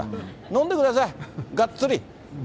飲んでください、がっつり。